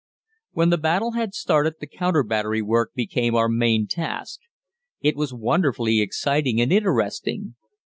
When the battle had started the counter battery work became our main task. It was wonderfully exciting and interesting.